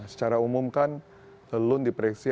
secara umum kan loan di proyeksi